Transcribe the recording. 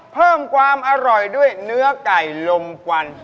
เพิ่มความอร่อยด้วยเนื้อไก่ลมกวัน